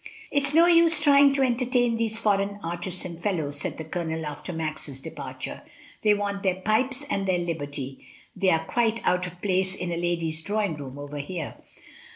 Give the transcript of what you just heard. "It is no use trying to entertain these foreign artists and fellows," said the Colonel after Max's departure. "They want their pipes arid their liberty; they are quite but of place in a lady's drawing room over here."' "M.